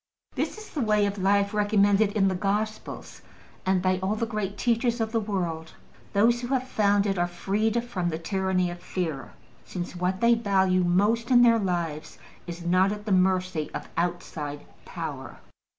This is the way of life recommended in the Gospels, and by all the great teachers of the world. Those who have found it are freed from the tyranny of fear, since what they value most in their lives is not at the mercy of outside power.